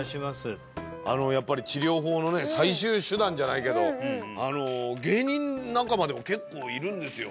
あのやっぱり治療法のね最終手段じゃないけど芸人仲間でも結構いるんですよ